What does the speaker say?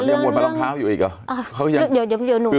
ยังโหดมารองเท้าอยู่อีกเหรอ